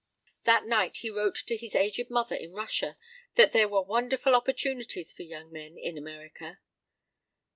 That night he wrote to his aged mother in Russia that there were wonderful opportunities for young men in America.